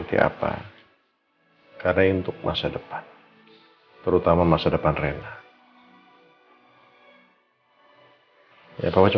itu harapan papa aja